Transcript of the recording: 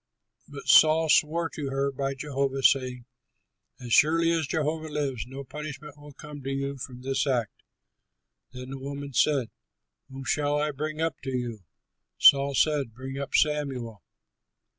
But Saul swore to her by Jehovah, saying, "As surely as Jehovah lives, no punishment will come to you from this act." Then the woman said, "Whom shall I bring up to you?" Saul said, "Bring up Samuel."